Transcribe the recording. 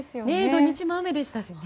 土日も雨でしたしね。